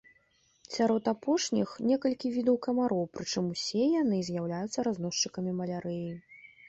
Сярод апошніх некалькі відаў камароў, прычым усе яны з'яўляюцца разносчыкамі малярыі.